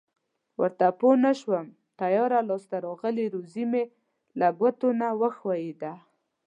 ورته پوه نشوم تیاره لاس ته راغلې روزي مې له ګوتو نه و ښویېده.